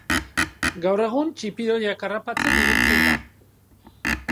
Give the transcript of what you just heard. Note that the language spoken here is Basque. Gaur egun, txipiroiak harrapatzen ibiltzen da.